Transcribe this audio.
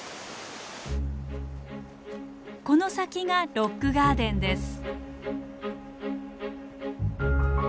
この先がロックガーデンです。